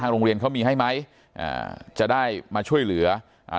โรงเรียนเขามีให้ไหมอ่าจะได้มาช่วยเหลืออ่า